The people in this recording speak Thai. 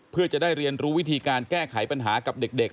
เพื่อจะได้เรียนรู้วิธีการแก้ไขปัญหากับเด็ก